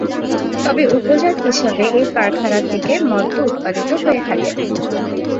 তবে উপজাত হিসেবে এই কারখানা থেকে মদ্য উৎপাদিত হয়ে থাকে।